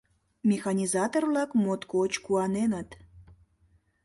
Механизатор-влак моткоч куаненыт.